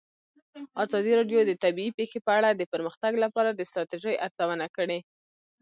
ازادي راډیو د طبیعي پېښې په اړه د پرمختګ لپاره د ستراتیژۍ ارزونه کړې.